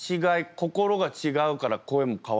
心が違うから声も変わって聞こえるのかな？